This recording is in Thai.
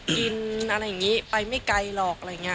จะงานที่ให้ไปกินร้านบ้าน